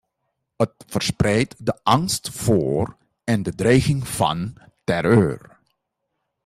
Het verspreidt de angst voor en de dreiging van terreur.